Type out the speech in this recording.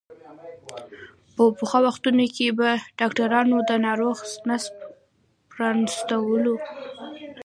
په پخوا وختونو کې به ډاکترانو د ناروغ نس پرانستلو.